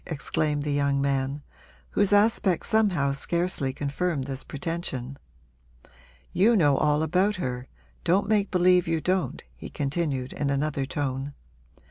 exclaimed the young man, whose aspect somehow scarcely confirmed this pretension. 'You know all about her don't make believe you don't,' he continued in another tone.